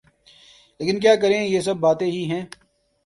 لیکن کیا کریں یہ سب باتیں ہی ہیں۔